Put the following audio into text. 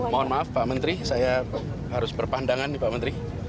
mohon maaf pak menteri saya harus berpandangan nih pak menteri